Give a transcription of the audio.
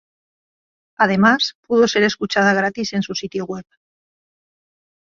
Además, pudo ser escuchada gratis en su sitio web.